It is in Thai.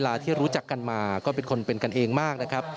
และก็มีการกินยาละลายริ่มเลือดแล้วก็ยาละลายขายมันมาเลยตลอดครับ